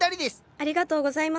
ありがとうございます。